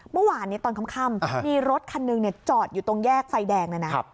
เมื่อวานตอนค่ำมีรถคันหนึ่งจอดอยู่ตรงแยกไฟแดงเลยนะ